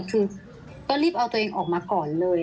คือก็รีบเอาตัวเองออกมาก่อนเลย